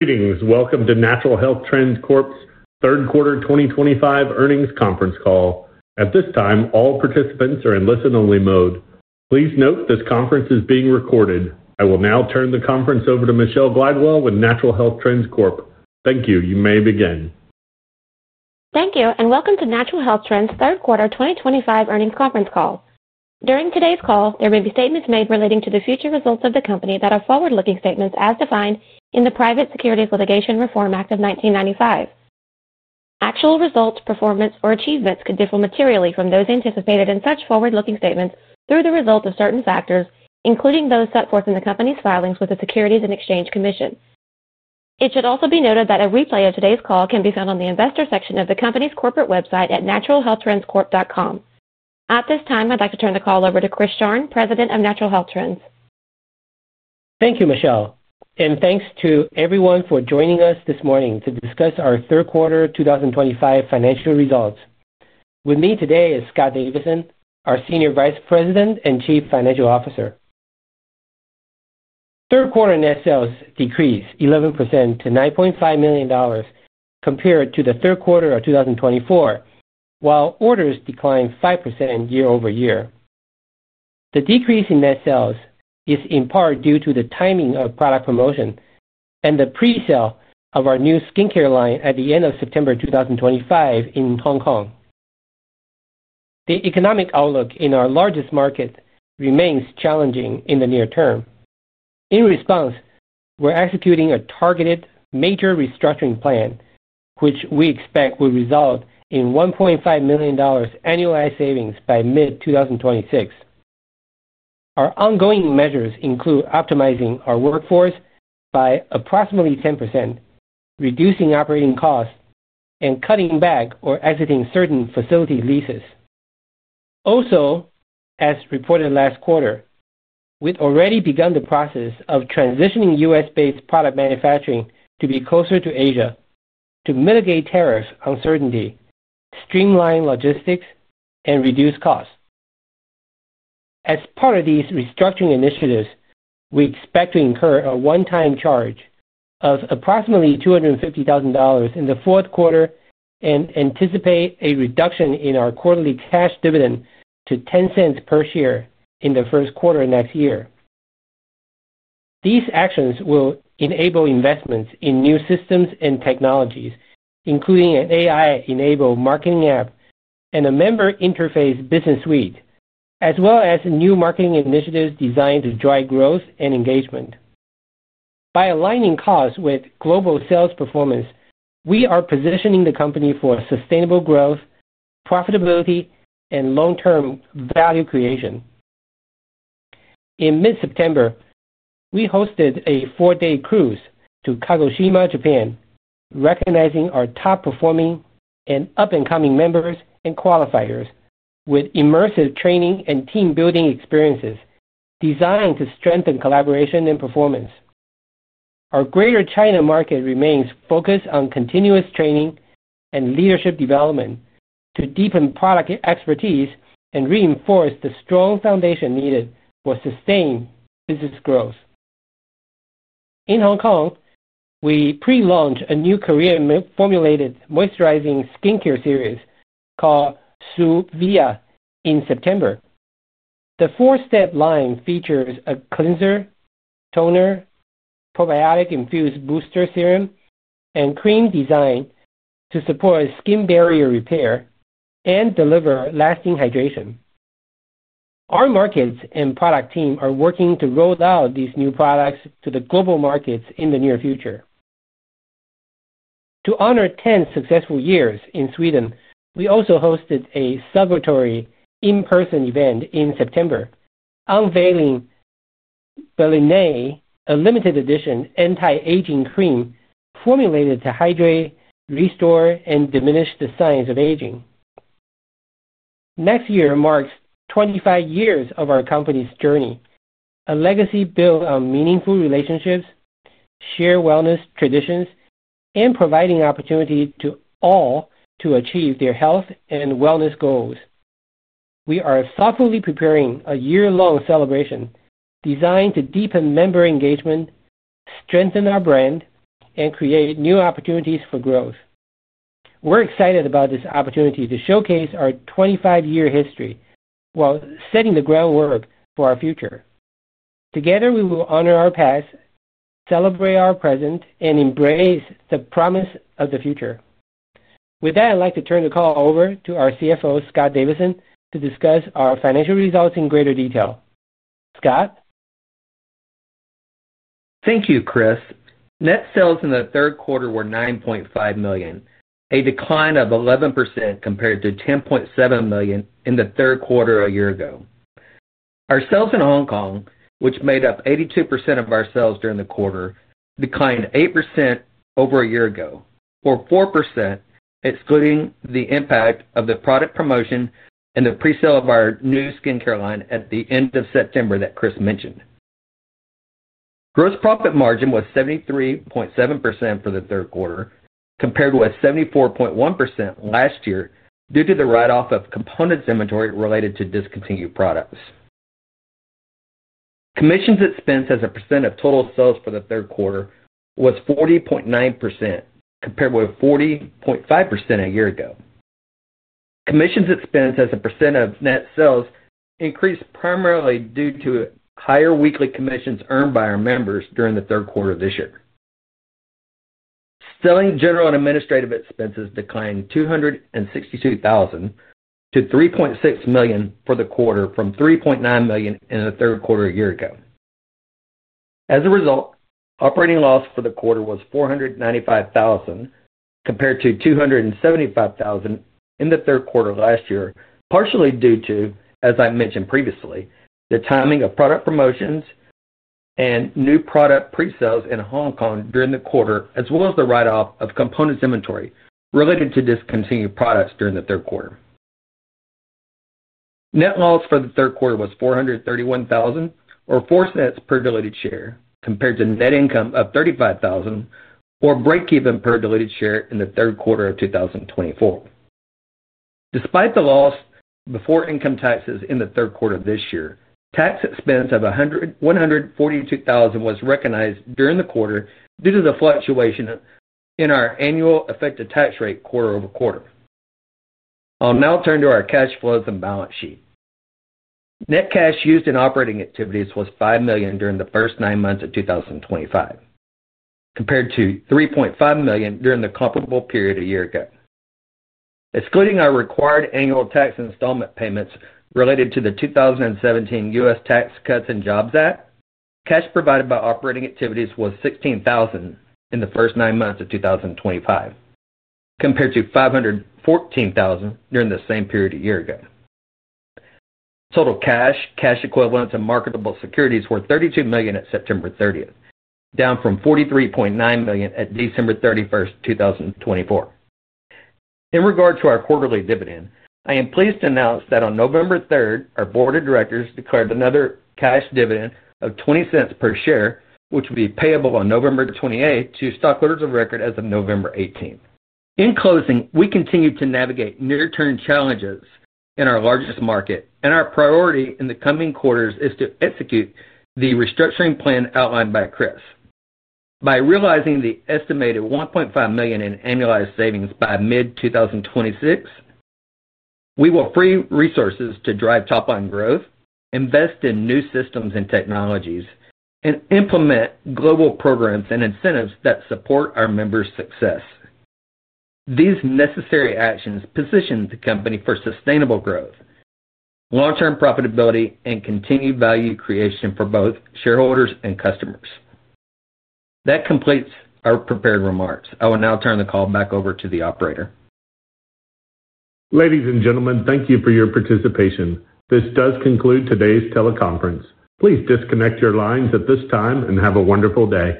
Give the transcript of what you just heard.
Greetings. Welcome to Natural Health Trends Corp's third quarter 2025 earnings conference call. At this time, all participants are in listen-only mode. Please note this conference is being recorded. I will now turn the conference over to Michelle Glidewell with Natural Health Trends Corp. Thank you. You may begin. Thank you, and welcome to Natural Health Trends third quarter 2025 earnings conference call. During today's call, there may be statements made relating to the future results of the company that are forward-looking statements as defined in the Private Securities Litigation Reform Act of 1995. Actual results, performance, or achievements could differ materially from those anticipated in such forward-looking statements through the result of certain factors, including those set forth in the company's filings with the Securities and Exchange Commission. It should also be noted that a replay of today's call can be found on the investor section of the company's corporate website at naturalhealthtrendscorp.com. At this time, I'd like to turn the call over to Chris Sharng, President of Natural Health Trends. Thank you, Michelle, and thanks to everyone for joining us this morning to discuss our third quarter 2025 financial results. With me today is Scott Davidson, our Senior Vice President and Chief Financial Officer. Third quarter net sales decreased 11% to $9.5 million compared to the third quarter of 2024, while orders declined 5% year-over-year. The decrease in net sales is in part due to the timing of product promotion and the pre-sale of our new skincare line at the end of September 2025 in Hong Kong. The economic outlook in our largest market remains challenging in the near term. In response, we're executing a targeted major restructuring plan, which we expect will result in $1.5 million annualized savings by mid-2026. Our ongoing measures include optimizing our workforce by approximately 10%, reducing operating costs, and cutting back or exiting certain facility leases. Also, as reported last quarter, we'd already begun the process of transitioning U.S.-based product manufacturing to be closer to Asia to mitigate tariff uncertainty, streamline logistics, and reduce costs. As part of these restructuring initiatives, we expect to incur a one-time charge of approximately $250,000 in the fourth quarter and anticipate a reduction in our quarterly cash dividend to $0.10 per share in the first quarter of next year. These actions will enable investments in new systems and technologies, including an AI-enabled marketing app and a member-interface business suite, as well as new marketing initiatives designed to drive growth and engagement. By aligning costs with global sales performance, we are positioning the company for sustainable growth, profitability, and long-term value creation. In mid-September, we hosted a four-day cruise to Kagoshima, Japan, recognizing our top-performing and up-and-coming members and qualifiers with immersive training and team-building experiences designed to strengthen collaboration and performance. Our Greater China market remains focused on continuous training and leadership development to deepen product expertise and reinforce the strong foundation needed for sustained business growth. In Hong Kong, we pre-launched a new Korean-formulated moisturizing skincare series called Su Via in September. The four-step line features a cleanser, toner, probiotic-infused booster serum, and cream designed to support skin barrier repair and deliver lasting hydration. Our markets and product team are working to roll out these new products to the global markets in the near future. To honor 10 successful years in Sweden, we also hosted a celebratory in-person event in September. Unveiling. Balenae's limited edition anti-aging cream formulated to hydrate, restore, and diminish the signs of aging. Next year marks 25 years of our company's journey, a legacy built on meaningful relationships, shared wellness traditions, and providing opportunity to all to achieve their health and wellness goals. We are thoughtfully preparing a year-long celebration designed to deepen member engagement, strengthen our brand, and create new opportunities for growth. We're excited about this opportunity to showcase our 25-year history while setting the groundwork for our future. Together, we will honor our past, celebrate our present, and embrace the promise of the future. With that, I'd like to turn the call over to our CFO, Scott Davidson, to discuss our financial results in greater detail. Scott. Thank you, Chris. Net sales in the third quarter were $9.5 million, a decline of 11% compared to $10.7 million in the third quarter a year ago. Our sales in Hong Kong, which made up 82% of our sales during the quarter, declined 8% over a year ago, or 4% excluding the impact of the product promotion and the pre-sale of our new skincare line at the end of September that Chris mentioned. Gross profit margin was 73.7% for the third quarter, compared with 74.1% last year due to the write-off of components inventory related to discontinued products. Commissions expense as a percent of total sales for the third quarter was 40.9%, compared with 40.5% a year ago. Commissions expense as a percent of net sales increased primarily due to higher weekly commissions earned by our members during the third quarter of this year. Selling, general and administrative expenses declined $262,000-$3.6 million for the quarter, from $3.9 million in the third quarter a year ago. As a result, operating loss for the quarter was $495,000 compared to $275,000 in the third quarter last year, partially due to, as I mentioned previously, the timing of product promotions. New product pre-sales in Hong Kong during the quarter, as well as the write-off of components inventory related to discontinued products during the third quarter. Net loss for the third quarter was $431,000, or 4 cents per diluted share, compared to net income of $35,000, or break-even per diluted share in the third quarter of 2024. Despite the loss before income taxes in the third quarter of this year, tax expense of $142,000 was recognized during the quarter due to the fluctuation in our annual effective tax rate quarter-over-quarter. I'll now turn to our cash flows and balance sheet. Net cash used in operating activities was $5 million during the first nine months of 2025, compared to $3.5 million during the comparable period a year ago. Excluding our required annual tax installment payments related to the 2017 U.S. Tax Cuts and Jobs Act, cash provided by operating activities was $16,000 in the first nine months of 2025, compared to $514,000 during the same period a year ago. Total cash, cash equivalents, and marketable securities were $32 million at September 30th, down from $43.9 million at December 31st, 2024. In regard to our quarterly dividend, I am pleased to announce that on November 3rd, our board of directors declared another cash dividend of $0.20 per share, which will be payable on November 28th to stockholders of record as of November 18th. In closing, we continue to navigate near-term challenges in our largest market, and our priority in the coming quarters is to execute the restructuring plan outlined by Chris. By realizing the estimated $1.5 million in annualized savings by mid-2026, we will free resources to drive top-line growth, invest in new systems and technologies, and implement global programs and incentives that support our members' success. These necessary actions position the company for sustainable growth, long-term profitability, and continued value creation for both shareholders and customers. That completes our prepared remarks. I will now turn the call back over to the operator. Ladies and gentlemen, thank you for your participation. This does conclude today's teleconference. Please disconnect your lines at this time and have a wonderful day.